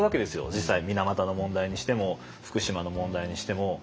実際水俣の問題にしても福島の問題にしても。